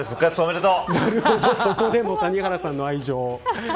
そこでも谷原さんの愛情。